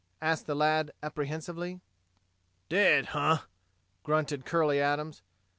asked the lad, apprehensively. "Dead? Huh!" grunted Curley Adams.